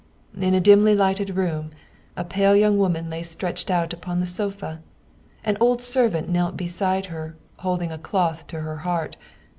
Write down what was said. In a dimly lighted room a pale young woman lay stretched out upon the sofa. An old servant knelt beside her, holding a cloth to her heart.